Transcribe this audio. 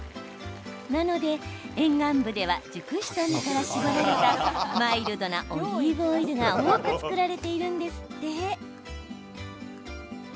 なので、沿岸部では熟した実から搾られたマイルドなオリーブオイルが多く作られているんですって。